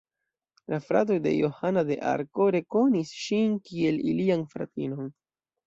La fratoj de Johana de Arko rekonis ŝin kiel ilian fratinon.